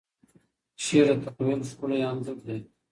شعر د تخیل ښکلی انځور دی.